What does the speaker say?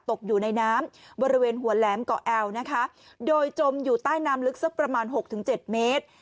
ตกอยู่ในน้ำบริเวณหัวแหลมเกาะแอลนะคะโดยจมอยู่ใต้น้ำลึกสักประมาณหกถึงเจ็ดเมตร